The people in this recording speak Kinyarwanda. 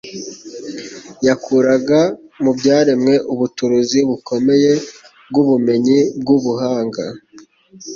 yakuraga mu byaremwe ubuturuzi bukomeye bw'ubumenyi bw'ubuhanga.